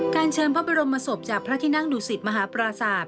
เชิญพระบรมศพจากพระที่นั่งดุสิตมหาปราศาสต